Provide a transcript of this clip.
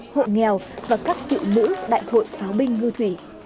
hộ nghèo và các cựu nữ đại thội pháo binh ngư thủy